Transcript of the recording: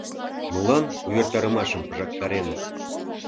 Молан увертарымашым пыжактарынет?